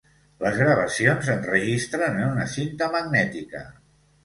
Les gravacions s'enregistren en una cinta magnètica